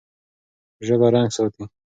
ژبه رنګ ساتي.